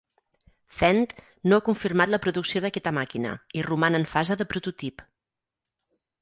Fendt no ha confirmat la producció d'aquesta màquina, i roman en fase de prototip.